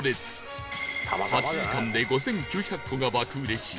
８時間で５９００個が爆売れし